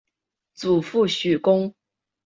祖父许恭。